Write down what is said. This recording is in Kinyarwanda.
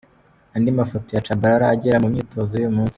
Andi mafoto ya Tchabalala agera mu myitozo y’uyu munsi.